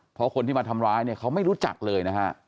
เพราะคนที่มาทำร้ายเนี่ยเขาไม่รู้จักเลยนะฮะ